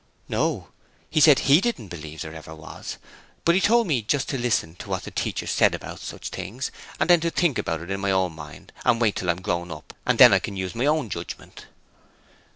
'No; he said HE didn't believe there ever was, but he told me to just listen to what the teacher said about such things, and then to think about it in my own mind, and wait till I'm grown up and then I can use my own judgement.'